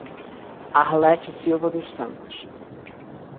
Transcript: Arlete Silva dos Santos